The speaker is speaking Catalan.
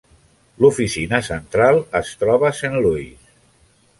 L'oficina central es troba a Saint Louis.